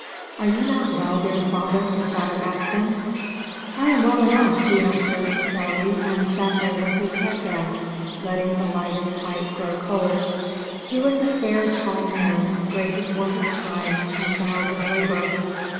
"Are you not well, dear father?" his daughter asked him. "I am well enough," he answered, dully and sat there with his head bent, letting the lighted pipe grow cold. He was a fair, tall man, gray before his time, and bowed with labour.